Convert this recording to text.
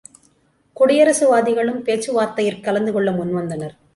குடியரசுவாதிகளும் பேச்சு வார்த்தையிற் கலந்து கொள்ள முன்வந்தனர்.